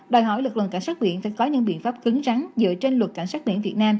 đòi hỏi lực lượng cảnh sát biển phải có những biện pháp cứng rắn dựa trên luật cảnh sát biển việt nam